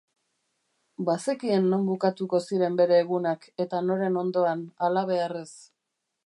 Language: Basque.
Bazekien non bukatuko ziren bere egunak, eta noren ondoan, halabeharrez.